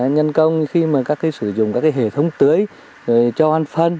nhân công khi mà các cái sử dụng các cái hệ thống tưới rồi cho ăn phân